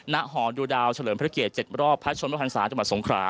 ณหดูดาวเฉลิมพระเกษ๗รอบพระชมพัฒนศาสตร์จังหวัดสงครา